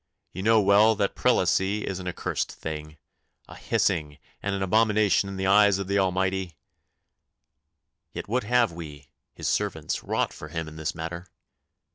Ye know well that Prelacy is an accursed thing a hissing and an abomination in the eyes of the Almighty! Yet what have we, His servants, wrought for Him in this matter?